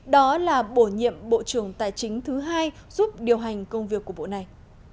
đó là bổ nhiệm bộ trưởng tài chính thứ hai giúp điều hành công việc của bộ này